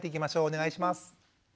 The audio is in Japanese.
お願いします。